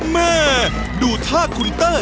แม่ดูท่าคุณเต้ย